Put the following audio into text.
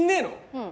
うん。